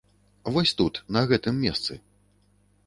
Вось тут, на гэтым месцы.